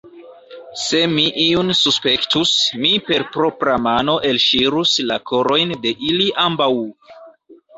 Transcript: Se mi iun suspektus, mi per propra mano elŝirus la korojn de ili ambaŭ!